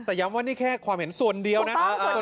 แต่ย้ำว่านี่แค่ความเห็นส่วนเดียวนะ